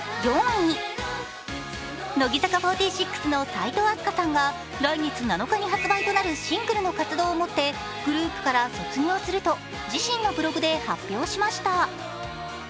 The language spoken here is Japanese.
乃木坂４６の齋藤飛鳥さんが来月７日に発売となるシングルの活動をもってグループから卒業すると自身のブログで発表しました。